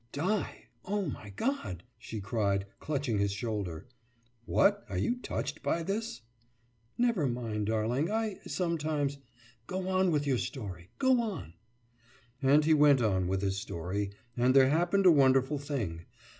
« »Die! Oh my God!« she cried, clutching his shoulder. »What? Are you touched by this?« »Never mind, darling. I sometimes.... Go on with your story! Go on!« And he went on with his story, and there happened a wonderful thing.